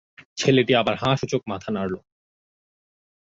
ছেলেটি আবার হাঁ-সূচক মাথা নাড়ুল।